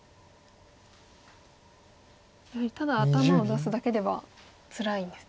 やはりただ頭を出すだけではつらいんですね。